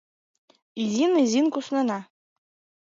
Изин-изин куснена.